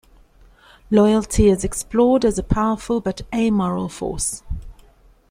Loyalty is explored as a powerful but amoral force.